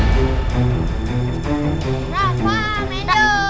rafa main dong